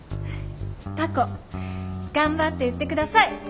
たこ頑張って売って下さい。